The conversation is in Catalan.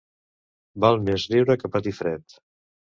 Val més riure que patir fred.